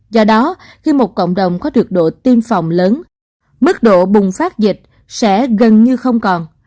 do đó khi một cộng đồng có được độ tiêm phòng lớn mức độ bùng phát dịch sẽ gần như không còn